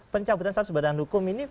pencabutan status badan hukum ini